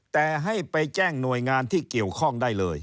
แต่ให้ไปแจ้งหน่วยงานที่เกี่ยวข้องได้เลย